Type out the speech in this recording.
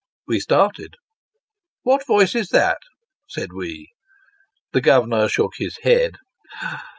We started. " What voice is that ?" said we. The Governor shook his head.